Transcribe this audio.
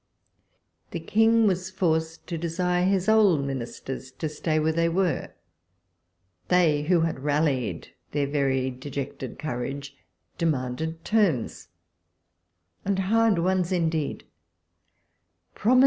The King was forced to desire his old Ministers to stay where they were. They, who had rallied their very dejected courage, demanded terms, and hard ones indeed — prnmhc.